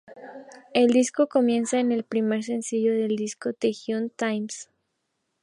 El disco comienza con el primer sencillo del disco "The Hindu Times".